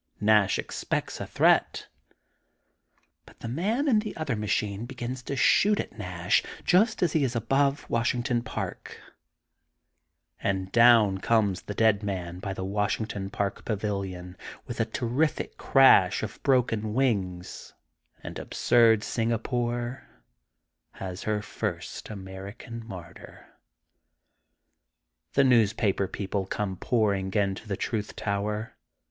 Nash expects a threat, but the THE GOLDEN BOOK OF SPRINGFIELD 161 man la the other machine begins to shoot at Nashy just as he is above Washington Park, and down comes the dead man by the Wash ington Park Pavilion, with a terrific crash of broken wings, and absurd Singapore has her first American martyr. The newspaper people come pouring into the Truth Tower.